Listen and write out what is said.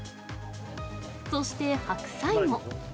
そして白菜も。